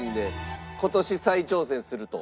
今年再挑戦すると。